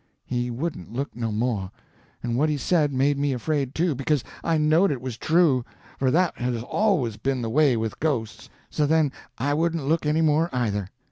He wouldn't look no more, and what he said made me afraid, too, because I knowed it was true, for that has always been the way with ghosts; so then I wouldn't look any more, either.